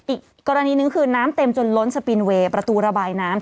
อีกกรณีนึงคือน้ำเต็มจนล้นสปีนเวย์ประตูระบายน้ำ